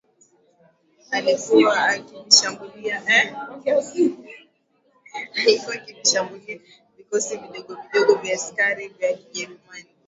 alikuwa akivishambulia vikosi vidogo vidogo vya askari vya Kijerumani